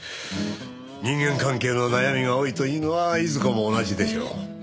人間関係の悩みが多いというのはいずこも同じでしょう。